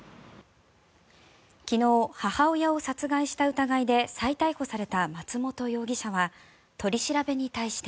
昨日、母親を殺害した疑いで再逮捕された松本容疑者は取り調べに対して。